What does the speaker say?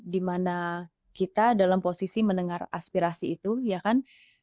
dimana kita dalam posisi mendengar aspirasi itu ya kan